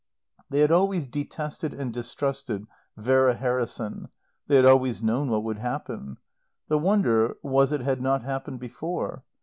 They had always detested and distrusted Vera Harrison; they had always known what would happen. The wonder was it had not happened before.